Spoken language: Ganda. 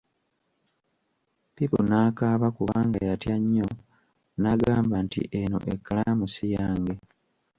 Pipu n'akaaba kubanga yatya nnyo n'agamba nti eno ekkalaamu si yange.